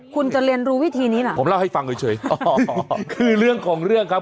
คุณจะเรียนรู้วิธีนี้เหรอผมเล่าให้ฟังเฉยอ๋อคือเรื่องของเรื่องครับ